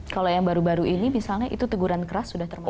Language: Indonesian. kalau yang baru baru ini misalnya itu teguran keras sudah termasuk